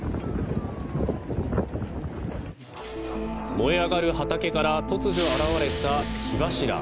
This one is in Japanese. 燃え上がる畑から突如現れた火柱。